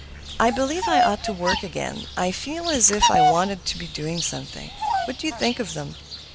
"I believe I ought to work again. I feel as if I wanted to be doing something. What do you think of them?